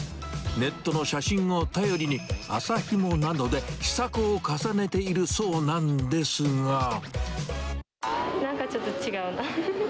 ネットの写真を頼りに、麻ひもなどで試作を重ねているそうなんでなんかちょっと違うな。